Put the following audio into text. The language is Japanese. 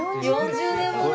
４０年もの！